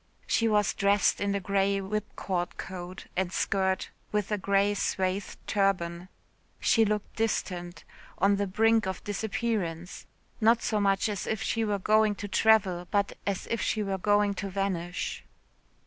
She was dressed in a grey whipcord coat and skirt with a grey swathed turban. She looked distant on the brink of disappearance not so much as if she were going to travel but as if she were going to vanish.